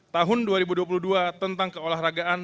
tahun dua ribu dua puluh dua tentang keolahragaan